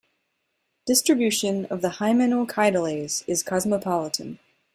Distribution of the Hymenochaetales is cosmopolitan.